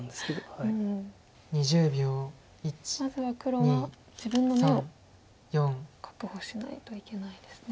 まずは黒は自分の眼を確保しないといけないですね。